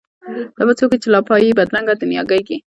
دا به څوک وي چي لا پايي دې بې بد رنګه دنیاګۍ کي